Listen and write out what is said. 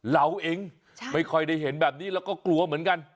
เราเองไม่ค่อยได้เห็นแบบนี้เราก็กลัวเหมือนกัน